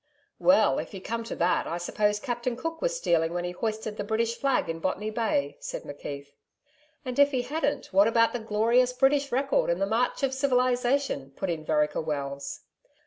'Well! If you come to that, I suppose Captain Cook was stealing when he hoisted the British flag in Botany Bay,' said McKeith. 'And if he hadn't, what about the glorious British record, and the March of Civilisation?' put in Vereker Wells.